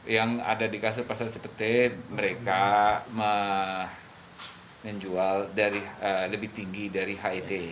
yang ada di pasar cipet mereka menjual lebih tinggi dari hit